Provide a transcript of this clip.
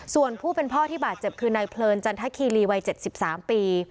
ส่วนผู้เป็นพ่อที่บาดเจ็บคือนายเพลินจันทคีรีวัย๗๓ปี